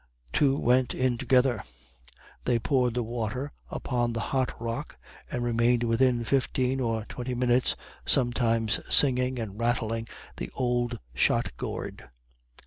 Two went in together; they poured the water upon the hot rock, and remained within fifteen or twenty minutes, sometimes singing and rattling the old shot gourd.